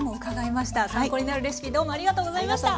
参考になるレシピどうもありがとうございました。